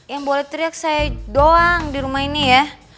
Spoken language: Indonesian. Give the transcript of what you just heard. yang boleh teriak saya doang dirumah ini ya